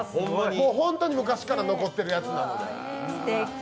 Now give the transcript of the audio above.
本当に昔から残っているやつなので。